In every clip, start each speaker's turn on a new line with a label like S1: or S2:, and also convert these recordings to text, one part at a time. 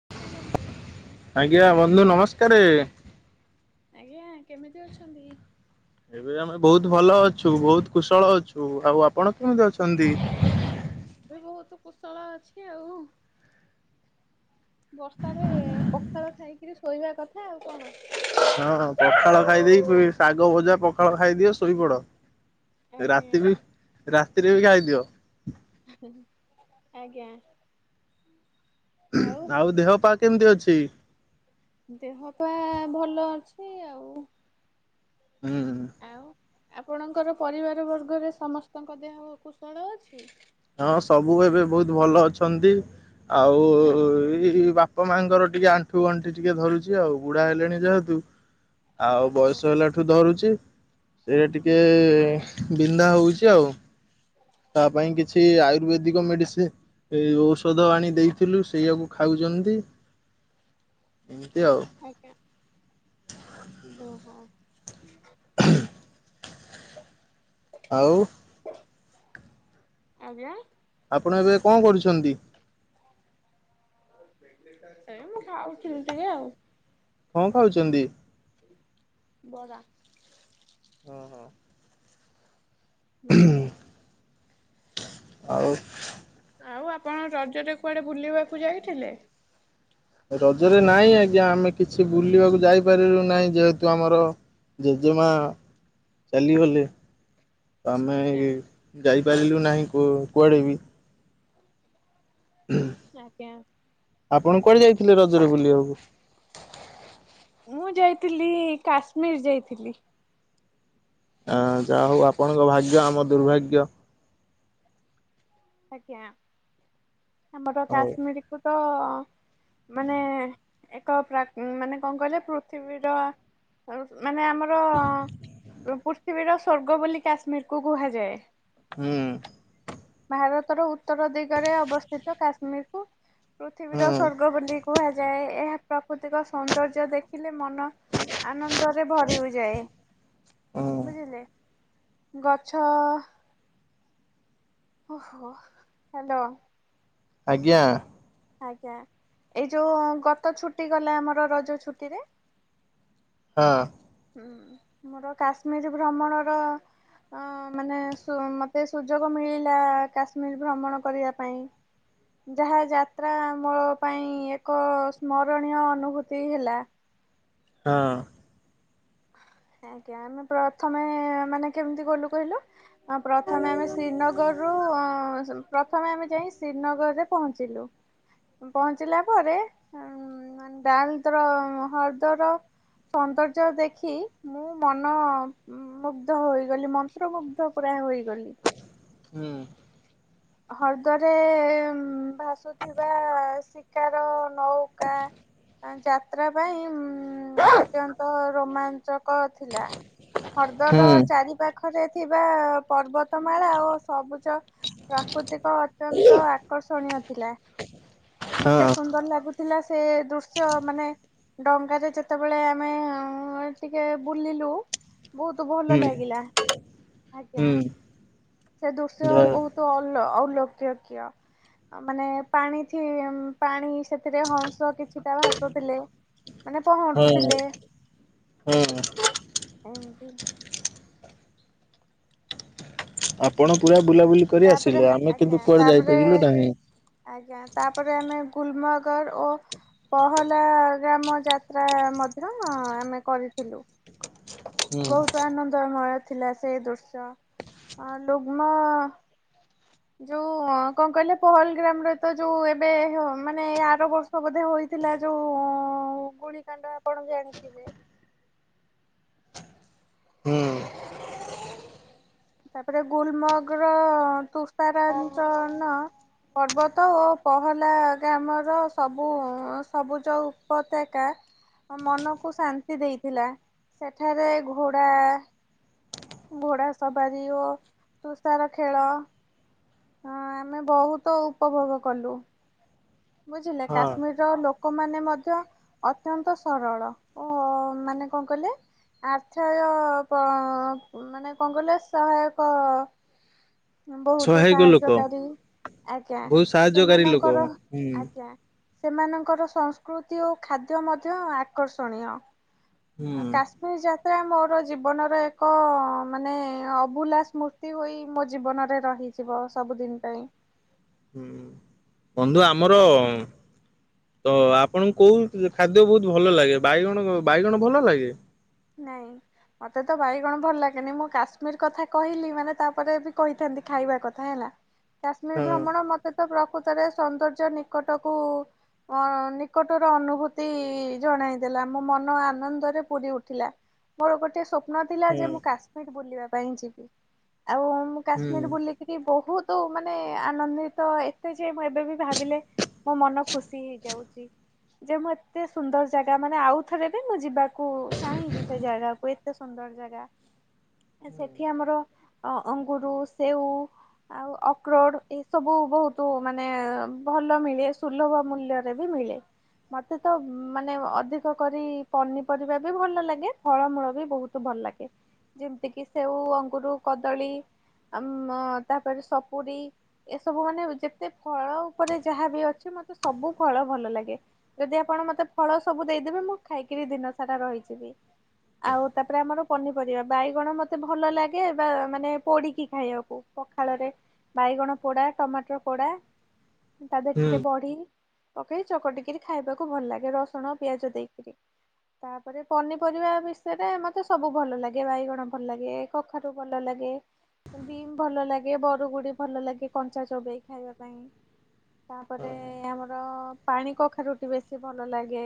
S1: [unintelligible]
S2: ଆଜ୍ଞା, ବନ୍ଧୁ ନମସ୍କାରେ।
S1: ଆଜ୍ଞା, କେମିତି ଅଛନ୍ତି?
S2: ଏବେ ଆମେ ବହୁତ ଭଲ ଅଛୁ। ବହୁତ କୁଶଳ ଅଛୁ। ଆଉ ଆପଣ କେମିତି ଅଛନ୍ତି।
S1: ଏବେ ବହୁତ କୁଶଳ ଅଛି ଆଉ। ବର୍ଷାରେ ପଖାଳ ଖାଇକିରି ଶୋଇବା କଥା। ଆଉ କଣ?
S2: ହଁହଁ ପଖାଳ ଖାଇଦେଇକି ଶାଗ ଭଜା ପଖାଳ ଖାଇଦିଅ ଶୋଇପଡ଼।
S1: ଆଜ୍ଞା
S2: ରାତିରେ ରାତିରେ ବି ଖାଇଦିଅ।
S1: ହିଁ ହିଁ [inaudible] ଆଜ୍ଞା।
S2: ଆଉ ଦେହ ପା କେମିତି ଅଛି?
S1: ଦେହ ପା ଭଲ ଅଛି ଆଉ।
S2: ହୁଁ ହୁଁ।
S1: ଆଉ ଆପଣଙ୍କର ପରିବାର ବର୍ଗରେ ସମସ୍ତଙ୍କ ଦେହ କୁଶଳ ଅଛି?
S2: ହଁ ସବୁ ଏବେ ବହୁତ ଭଲ ଅଛନ୍ତି। ଆଉ
S1: ଆଜ୍ଞା
S2: ଏଇ ବାପା ବାପା ମାଆଙ୍କର ଟିକେ ଆଣ୍ଠୁ ଗଣ୍ଠି ଟିକେ ଧରୁଛି ଆଉ। ବୁଢା ହେଲେଣି ଯେହେତୁ। ଆଉ
S1: ଆଜ୍ଞା
S2: ବୟସ ହେଲା ଆଣ୍ଠୁ ଧରୁଛି ସେ ଟିକେ ବିନ୍ଧା ହୋଉଛି ଆଉ। ତା ପାଇଁ କିଛି ଆୟୁର୍ବେଦିକ ମେଡିସିନ ଏଇ ଔଷଧ ଆଣି ଦେଇଥିଲୁ। ସେଇଆାକୁ ଖାଉଛନ୍ତି। ଏମିତି ଆଉ।
S1: ଆଜ୍ଞା। ଓହୋ।
S2: ଆଉ?
S1: ଆଜ୍ଞା?
S2: ଆପଣ ଏବେ କଁ କରୁଛନ୍ତି।
S1: ଏ ମୁଁ ଖାଉଥିଲି ଟିକେ ଆଉ।
S2: କଁ ଖାଉଛନ୍ତି।
S1: ବରା।
S2: ହଁ ହଁ।
S1: ହୁଁ।
S2: ଆଉ?
S1: ଆଉ ଆପଣ ରଜରେ କୁଆଡ଼େ ବୁଲିବାକୁ ଯାଇଥିଲେ?
S2: ରଜରେ ନାହିଁ ଆଜ୍ଞା। ଆମେ କିଛି ବୁଲିବାକୁ ଯାଇପାରିଲୁ ନାହିଁ। ଯେହେତୁ ଆମର ଜେଜେମା ଚାଲିଗଲେ। ଆମେ
S1: ଆଜ୍ଞା
S2: ଏଇ ଯାଇପାରିଲୁ ନାହିଁ କୁଆଡ଼େ ବି। ହଁ।
S1: ଆଜ୍ଞା।
S2: ଆପଣ କୁଆଡ଼େ ଯାଇଥିଲେ? ରଜରେ ବୁଲିବାକୁ।
S1: ମୁଁ ଯାଇଥିଲି କାଶ୍ମୀରର ଯାଇଥିଲି।
S2: ଯାହା ହଉ ଆପଣଙ୍କ ଭାଗ୍ୟ, ଆମ ଦୁର୍ଭାଗ୍ୟ।
S1: ଆଜ୍ଞା। ଆମର ଆମର
S2: ହଉ
S1: କାଶ୍ମୀରକୁ ତ ଆମେ ଏକ ପ୍ରା ମାନେ କଣ କହିଲେ? ପୃଥିବୀର। ମାନେ ଆମର ପୃଥିବୀର ସ୍ୱର୍ଗ ବୋଲି କାଶ୍ମୀରକୁ କୁହାଯାଏ।
S2: ହୁଁ।
S1: ଭାରତର ଉତ୍ତର ଦିଗରେ ଅବସ୍ଥିତ କାଶ୍ମୀରକୁ।
S2: ହୁଁ
S1: ପୃଥିବୀର ସ୍ଵର୍ଗ ବୋଲି କୁହାଯାଏ। ଏହା ପ୍ରାକୃତିକ ସୌନ୍ଦର୍ଯ୍ୟ ଦେଖିଲେ ମନ ଆନନ୍ଦରେ ଭରି ହୋଇ ଯାଏ।
S2: ହୁଁ
S1: ବୁଝିଲେ? ଗଛ ଓହୋ ହ୍ୟାଲୋ।
S2: ଆଜ୍ଞା।
S1: ଆଜ୍ଞା। ଏଇ ଯୋଉ ଗତ ଛୁଟି ଗଲା ଆମର ରଜ ଛୁଟି ରେ।
S2: ହଁ।
S1: ହୁଁ ମୋର କାଶ୍ମୀର ଭ୍ରମଣର ଅ ମାନେ ସୁମତେ ସୁଯୋଗ ମିଳିଲା କାଶ୍ମୀର ଭ୍ରମଣ କରିବା ପାଇଁ। ଯାହା ଯାତ୍ରା ମୋ ପାଇଁ ଏକ ସ୍ମରଣୀୟ ଅନୁଭୂତି ହେଲା।
S2: ହଁ।
S1: ଆଜ୍ଞା ଆମେ ପ୍ରଥମେ ମାନେ କେମିତି ଗଲୁ କହିଲୁ? ହଁ ପ୍ରଥମେ ଆମେ ଶ୍ରୀନଗର ରୁୁ ପ୍ରଥମେ ଆମେ ଯାଇ ଶ୍ରୀନଗରରେ ପହଞ୍ଚିଲୁ। ପହଞ୍ଚିଲା ପରେ ଡାଲତ୍ର ହ୍ରଦର ସୌନ୍ଦର୍ଯ୍ୟ ଦେଖି ମୁଁ ମନ ମୁୁଗ୍ଧ ହୋଇଗଲି ମନ୍ତ୍ରମୁଗ୍ଧ ପୁରା ହୋଇଗଲି।
S2: ହୁଁ।
S1: ହ୍ରଦରେ ଭାସୁଥିବା ଶିକାର ନୌକା ଯାତ୍ରା ପାଇଁ ଉଁ ଅତ୍ୟନ୍ତ ରୋମାଞ୍ଚକ ଥିଲା। ହ୍ରଦର
S2: ହୁଁ
S1: ଚାରି ପା ପାଖରେ ଥିବା ପର୍ବତମାଳା ଓ ସବୁଜ ପ୍ରାକୃତିକ ଅତ୍ୟନ୍ତ ଆକର୍ଷଣୀୟ ଥିଲା। ଏତେ ସୁନ୍ଦର ଲାଗୁଥିଲା ସେ ଦୃଶ୍ୟ ମାନେ ଡ଼ଙ୍ଗା ରେ ଯେତେବେଳେ ଆମେ ଟିକିଏ ବୁଲିଲୁ ବହୁତ ଭଲ
S2: ହୁଁ।
S1: ଲାଗିଲା। ଆଜ୍ଞା ସେ ଦୃଶ୍ୟ ବହୁତ୍ ଅଲୋ ଅଲୋକକୀୟ ମାନେ ପାଣି କି ପାଣି ସେଥିରେ ହଂସ କିଛି ଟା ଭାସୁଥିଲେ। ମାନେ ପହଁରୁୁ
S2: ହଁ
S1: ଥିଲେ ଏମିତି।
S2: ଆପଣ ପୁରା ବୁଲାବୁଲି କରି
S1: ତାପରେ
S2: ଆସିଲେ। ଆମେ
S1: ଆଜ୍ଞା
S2: କିନ୍ତୁ କୁଆଡେ
S1: ତାପରେ
S2: ଯାଇପାରିଲୁ ନାହିଁ।
S1: ଆଜ୍ଞା। ତାପରେ ଆମେ ଗୁଲ ମଗର୍ ଓ ପହଲା ଗ୍ରାମ ଯାତ୍ରା ମଧ୍ୟ ଆମେ କରିଥିଲୁ।
S2: ହୁଁ
S1: ବହୁତ ଆନନ୍ଦମୟ ଥିଲା ସେ ଦୃଶ୍ୟ। ଅଁ ଲୁଗ୍ନ ଯୋଉ କଣ କହିଲେ ପହଲଗ୍ରାମରେ ତ ଯୋଉ ଏବେ ହଁ ମାନେ ଆର ବ ର୍ଷ ବୋଧେ ହୋଇଥିଲା ଯୋଉ ଗୁଳିକାଣ୍ଡ ଆପଣ ଜାଣିଥିବେ।
S2: ହୁଁ
S1: ତାପରେ ଗୁଲମର୍ଗର ତୁସ୍ତାରାଞ୍ଚନ ପର୍ବତ ଓ ପହଲାଗ୍ରାମର ସବୁ ସବୁଜ ଉପତ୍ୟାକା ମନକୁ ଶାନ୍ତି ଦେଇଥିଲା। ସେଠାରେ ଘୋଡ଼ା ଘୋଡା ସବାରି ଓ ତୁସାର ଖେଳ ହଁ ଆମେ ବହୁତ ଉପଭୋଗ କଲୁ। ବୁଝିଲେ?
S2: ହଁ
S1: କାଶ୍ମୀରର ଲୋକମାନେ ମଧ୍ୟ ଅତ୍ୟନ୍ତ ସରଳ। ଓ ମାନେ କଣ କହିଲେ? ଆର୍ଥୟ କ ମାନେ କଣ କହିଲେ? ସହାୟକ ବହୁତ
S2: ସହାୟକ ଲୋକ
S1: ସାହାଯ୍ୟକାରୀ। ଆଜ୍ଞା।
S2: ବହୁତ ସାହାଯ୍ୟକାରୀ ଲୋକ।
S1: ସେମାନଙ୍କର
S2: ହୁଁ
S1: ଆଜ୍ଞା ସେମାନଙ୍କର ସଂସ୍କୃତି ଓ ଖାଦ୍ୟ ମଧ୍ୟ ଆକର୍ଷଣୀୟ।
S2: ହୁଁ
S1: ଅ କାଶ୍ ମିର ଯାତ୍ରା ମୋର ଜୀବନର ଏକ ମାନେ ଅଭୁଲା ସ୍ମୃତି ହୋଇ ମୋ ଜୀବନରେ ରହିଯିବ ସବୁଦିନ ପାଇଁ।
S2: ହୁଁ ବନ୍ଧୁ ଆମର ତ ଆପଣଙ୍କୁ କୋଉ ଖାଦ୍ୟ ବହୁତ ଭଲ ଲାଗେ? ବାଇଗଣ ବାଇଗଣ ଭଲ ଲାଗେ?
S1: ନାଇଁ। ମତେ ତ ବାଇଗଣ ଭଲ ଲାଗେନି। ମୁଁ କାଶ୍ମୀର କଥା କହିଲି ମାନେ ତାପରେ ବି କହିଥାନ୍ତି ଖାଇବା କଥା ହେଲା। କାଶ୍ମୀର୍
S2: ହଁ
S1: ଭ୍ରମଣ ମତେ ତ ପ୍ରକୃତରେ ସୌନ୍ଦର୍ଯ୍ୟ ନିକଟକୁ ଅଁ ନିକଟର ଅନୁଭୂତି ଜଣାଇ ଦେଲା। ମୋ ମନ ଆନନ୍ଦରେ ପୁରୀ ଉଠ୍ ଠିଲା। ମୋର ଗୋଟେ ସ୍ୱପ୍ନ ଥିଲା ଯେ
S2: ହଁ
S1: ମୁଁ କାଶ୍ମୀର ବୁଲିବା ପାଇଁ ଯିବି ଆଉ ମୁଁ
S2: ହୁଁ
S1: କାଶ୍ମୀର ବୁଲିକିରି ବହୁତୁ ମାନେ ଆନନ୍ଦିତ ଏତେ ଯେ ମୁଁ ଏବେ ବି ଭାବିଲେ ମୋ ମନ ଖୁସି ହେଇଯାଉଚି। ଯେ ମୁଁ ଏତେ ସୁନ୍ଦର୍ ଜାଗା ମାନେ ଆଉ ଥରେ ବି ମୁଁ ଯିବାକୁ ଚାହିଁବି ସେ ଜାଗାକୁ ଏତେ ସୁନ୍ଦର ଜାଗା। ଏ ସେଠି ଆମର ଅ-ଅଙ୍ଗୁରୁ ସେଉ ଆଉ ଅକ୍ରୋଡ୍ ଏସବୁ ବହୁତୁ ମାନେ ଭଲମିଳେ ସୁଲଭ ମୂଲ୍ୟରେ ରେ ବି ମିଳେ। ମତେ ତ ମାନେ ଅଧିକ କରି ପନିପରିବା ବି ଭଲ ଲାଗେଷଫଳମୂଳ ବି ବହୁତୁ ଭଲ୍ ଲାଗେ। ଯେମିତି କିି ସେଉ ଅଙ୍ଗୁରୁ କଦଳୀ ଆମ-ତାପରେ ସପୁରୀ ଏସବୁ ମାନେ ଯେତେ ଫଳ ଉପରେ ଯାହା ବି ଅଛି ମତେ ସବୁଫଳ ଭଲ ଲାଗେ। ଯଦି ଆପଣ ମତେ ଫଳ ସବୁ ଦେଇଦେବେ ମୁଁ ଖାଇକିରି ଦିନ ସାରା ରହିଯିବି। ଆଉ ତାପରେ ଆମର ପନିପରିବା ବାଇଗଣ ମତେ ଭଲ ଲାଗେ ବା ମାନେ ପୋଡିକି ଖାଇବାକୁ। ପଖାଳରେ ବାଇଗଣ ପୋଡା ଟମାଟର୍ ପୋଡା ତା ଦେହରେ
S2: ହୁଁ
S1: ଟିକେ ବଢି ପକେଇ ଚକଟିକିରି ଖାଇବାକୁ ଭଲ ଲାଗେ ରସଣ ପିଆଜ ଦେଇକିରି। ତାପରେ ପନିପରିବା ବିଷୟରେ ମତେ ସବୁ ଭଲଲାଗେ ବାଇଗଣ ଭଲ୍ ଲାଗେ କଖାରୁ ଭଲଲାଗେ। ବିମ୍ ଭଲ ଲାଗେ ବରୁଗୁଡି ଭଲ ଲାଗେ କଞ୍ଚା ଚୋବେଇ ଖାଇବା ପାଇଁ। ତାପରେ ଆମର ପାଣି କଖାରୁୁଟି ବେଶୀ ଭଲ ଲାଗେ।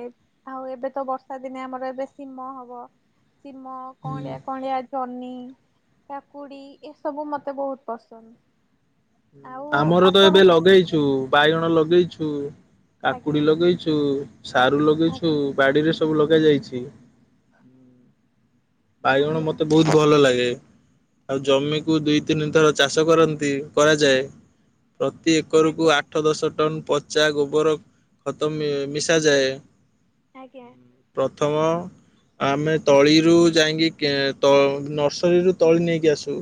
S1: ଆଉ ଏବେ ତ ବର୍ଷା ଶୀତ ଦିନେ ଆମର ଏବେ ଶିମ ହବ। ଶିମ
S2: ହୁଁ।
S1: କଅଁଳିଆ କଅଁଳିଆ ଜହ୍ନି କାକୁଡି ଏସବୁ ମତେ ବହୁତ ପସନ୍ଦ୍।
S2: ଆମର ତ ଏବେ ଲଗେଇଚୁ ବାଇଗଣ ଲଗେଇଚୁ
S1: ଆଜ୍ଞା
S2: କାକୁଡି ଲଗେଇଚୁ। ସାରୁ ଲଗେଇଛୁ
S1: ଆଜ୍ଞା
S2: ବାଡିରେ ସବୁ ଲଗାଯାଇଛି। ବାଇଗଣ
S1: ଆଜ୍ଞା
S2: ମତେ ବହୁତ୍ ଭଲଲାଗେ। ଆଉ ଜମିକୁ ଦୁଇ ତିନି ଥର ଚାଷ କରନ୍ତି କରାଯାଏ। ପ୍ରତି ଏକରକୁୁ
S1: ଆଜ୍ଞା
S2: ଆଠ ଆଠ ଦଶ ଟନ ପଚା ଗୋବର ଖତ ମି-ମିଶାଯାଏ।
S1: ଆଜ୍ଞା।
S2: ପ୍ରଥମ ଆମେ ତଳିରୁ ଯାଇଁକି କେ-ତ ନର୍ସରୀରୁୁ ତଳି ନେଇକି ଆସୁ।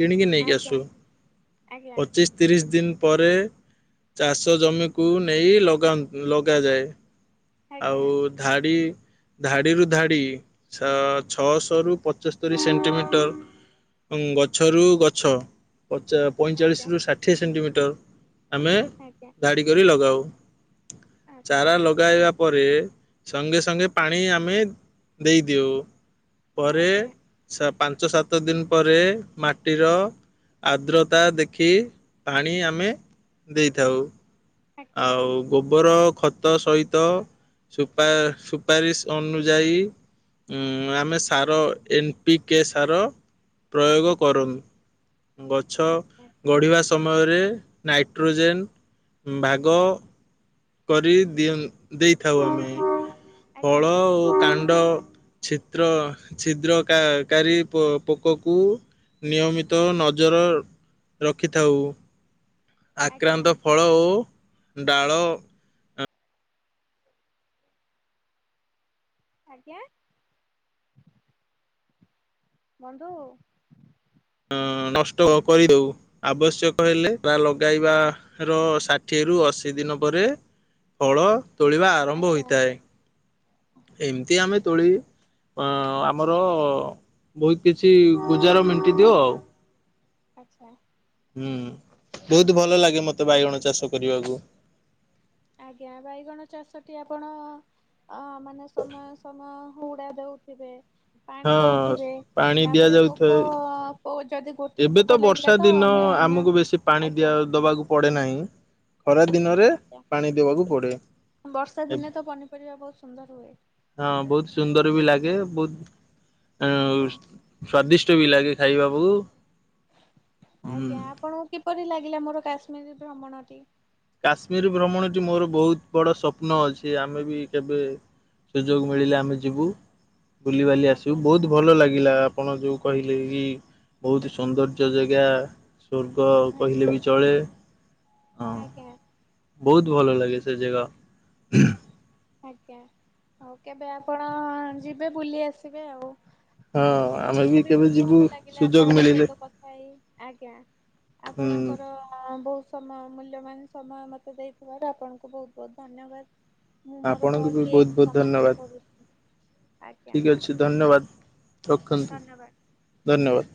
S2: କିଣିକି ନେଇକି
S1: ଆଜ୍ଞା
S2: ଆସୁ।
S1: ଆଜ୍ଞା
S2: ପଚିଶ୍ ତିରିଶ୍ ଦିନ୍ ପରେ ଚାଷ ଜମିକୁ ନେଇ ଲଗାନ୍-ଲଗାଯାଏ। ଆଉ
S1: ଆଜ୍ଞା
S2: ଧାଡି ଧାଡିରୁ ଧାଡି ଛ ଛଅଶରୁ ପଚସ୍ତରୀ ସେଣ୍ଟିମିଟର ଅଁ ଗଛରୁ ଗଛ
S1: ଆଜ୍ଞା
S2: ପଚା-ପଇଁଚାଳିଶରୁ ଷାଠିଏ ସେଣ୍ଟିମିଟର ଆମେ
S1: ଆଜ୍ଞା।
S2: ଧାଡି କରି ଲଗାଉ।
S1: ଆଛା
S2: ଚାରା ଲଗାଇବା ପରେ ସଙ୍ଗେସଙ୍ଗେ ପାଣି ଆମେ ଦେଇଦିଉ। ପରେ
S1: ଆଜ୍ଞା
S2: ସା-ପାଞ୍ଚ ସାତ ଦିନ୍ ପରେ ମାଟିର ଆଦ୍ରତା ଦେଖି ପାଣି ଆମେ ଦେଇଥାଉ।
S1: ଆଜ୍ଞା
S2: ଆଉ ଗୋବର ଖତ ସହିତ ସୁପା-ସୁପାରିଶ୍ ଅନୁଯାୟୀ ଉଁ ଆମେ ସାର ଏନ୍ ପିି କେ ସାର ପ୍ରୟୋଗ କରୁନ୍। ଗଛ ଗଢିବା ସମୟରେ ନାଇଟ୍ରୋଜେନ୍ ବାଗ କରି ଦିଅ ଦେଇଥାଉ ଆମେ।
S1: ଆଜ୍ଞା
S2: ଫଳ ଓ କାଣ୍ଡ ଛିଦ୍ର ଛିଦ୍ର କା - କାରି ପୋ -ପୋକକୁ ନିୟମିତ ନଜର ରଖିଥାଉ।
S1: ଆଜ୍ଞା ଆଜ୍ଞା
S2: ଆକ୍ରାନ୍ତ ଫଳ ଓ ଡାଳ
S1: ଆଜ୍ଞା। ବନ୍ଧୁ
S2: ହ ନଷ୍ଟ କରିଦଉ। ଆବଶ୍ୟକ ହେଲେ ବା ଲଗାଇବା ର ଷାଠିଏ ରୁ ଅଶୀ ଦିନ ପରେ ଫଳ ତୋଳିବା ଆରମ୍ଭ
S1: ଆଜ୍ଞା
S2: ହୋଇଥାଏ। ଏମିତି ଆମେ ତୋଳି ଅ ଆମର ବହୁତ କିଛି ଗୁଜାର ମେଣ୍ଟି ଦିଅ ଆଉ।
S1: ଆଚ୍ଛା।
S2: ହୁଁ ବହୁତ ଭଲ ଲାଗେ ମତେ ବାଇଗଣ ଚାଷ କରିବାକୁ।
S1: ଆଜ୍ଞା ବାଇଗଣ ଚାଷଟି ଆପଣ ଅ ମାନେ ସମୟ ସମୟ ହୁଡା ଦଉଥିବେ, ପାଣି
S2: ହଁ
S1: ଦଉଥିବେ,
S2: ପାଣି
S1: ତାପରେ ପୋକ
S2: ଦିଆଯାଉଥାଏ।
S1: ଯଦି ଗୋଟିଏ
S2: ଏବେ ତ
S1: ପୋକ ଲାଗିଲା
S2: ବର୍ଷା
S1: ତ
S2: ଦିନ
S1: ଅନ୍ୟ ଅନ୍ୟ
S2: ଆମକୁ ବେଶୀ ପାଣି
S1: ଆଜ୍ଞା
S2: ଦିଆ ଦବାକୁ ପଡେ ନାହିଁ। ଖରା ଦିନରେ
S1: ଆଛା
S2: ପାଣି ଦେବାକୁ ପଡେ
S1: ବର୍ଷା ଦିନେ ତ ପନିପରିବା ବହୁତ ସୁନ୍ଦର ହୁଏ।
S2: ହଁ ବହୁତ ସୁନ୍ଦର ବି ଲାଗେ,
S1: ଆଜ୍ଞା
S2: ବହୁତ ସ୍ଵାଦିଷ୍ଟ ବି ଲାଗେ ଖାଇବାକୁ। ହୁଁ।
S1: ଆଜ୍ଞା ଆପଣଙ୍କୁ କିପରି ଲାଗିଲା ମୋର କାଶ୍ମୀର ଭ୍ରମଣଟି?
S2: କାଶ୍ମୀର ଭ୍ରମଣଟି ମୋର ବହୁତ ବଡ଼ ସ୍ୱପ୍ନ ଅଛି। ଆମେ ବି କେବେ ସୁଯୋଗ ମିଳିଲେ ଆମେ ଯିବୁ ବୁଲିବାଲି ଆସିବୁ।
S1: ଆଜ୍ଞା
S2: ବହୁତ ଭଲ ଲାଗିଲା ଆପଣ ଯୋଉ କହିଲେ କି ବହୁତ ସୌନ୍ଦର୍ଯ୍ୟ ଜେଗା। ସ୍ୱର୍ଗ କହିଲେ ବି ଚଳେ। ହଁ
S1: ଆଜ୍ଞା।
S2: ବହୁତ ଭଲ ଲାଗେ ସେ ଜେଗା।
S1: ଆଜ୍ଞା ଆଉ କେବେ ଆପଣ ଯିବେ ବୁଲି ଆସିବେ ଆଉ।
S2: ହଁ
S1: ଆଉ
S2: ଆମେ
S1: ମତେ ବି
S2: କେବେ
S1: ବହୁତ
S2: ଯିବୁ
S1: ଭଲ ଲାଗିଲା
S2: ସୁଯୋଗ
S1: ଆପଣଙ୍କ
S2: ମିଳିଲେ
S1: ସହିତ କଥା ହେଇ ଆଜ୍ଞା।
S2: ହୁଁ
S1: ଆପଣଙ୍କର ବହୁତ ସମୟ ମୂଲ୍ୟବାନ ସମୟ ମୋତେ ଦେଇଥିବାରୁ ଆପଣଙ୍କୁ ବହୁତ ବହୁତ ଧନ୍ୟବାଦ। ମୁଁ ମୋର
S2: ଆପଣଙ୍କୁ
S1: କଲ
S2: ବି
S1: ଟି
S2: ବହୁତ
S1: ଏଇଠି
S2: ବହୁତ
S1: ସମାପ୍ତ
S2: ଧନ୍ୟବାଦ
S1: କରୁଛି ଆଜ୍ଞା।
S2: ଠିକ ଅଛି ଧନ୍ୟବାଦ ରଖନ୍ତୁ
S1: ଧନ୍ୟବାଦ।
S2: ଧନ୍ୟବାଦ।